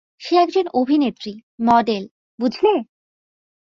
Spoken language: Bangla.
সে একজন অভিনেত্রী, মডেল, বুঝলে?